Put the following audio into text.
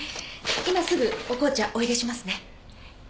今すぐお紅茶お入れしますね。